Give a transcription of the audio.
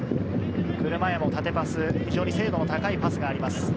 車屋も縦パス、非常に精度の高いパスがあります。